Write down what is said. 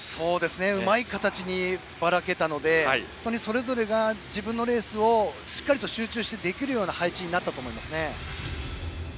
うまい形にばらけたのでそれぞれが自分のレースをしっかり集中してできる配置になったと思います。